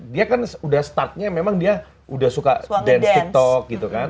dia kan udah startnya memang dia udah suka dance tiktok gitu kan